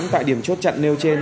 tại điểm chốt chặn nêu trên